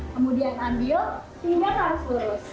kemudian ambil pinggang harus lurus